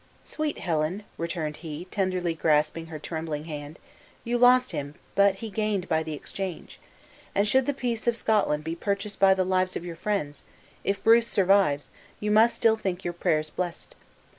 "Sweet Helen," returned he, tenderly grasping her trembling hand, "you lost him, but he gained by the exchange. And should the peace of Scotland be purchased by the lives of your friends if Bruce survives, you must still think your prayers blessed.